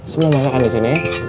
semua makan disini ya bu